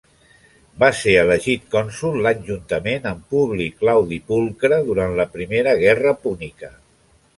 Va ser elegit cònsol l'any juntament amb Publi Claudi Pulcre durant la Primera Guerra Púnica.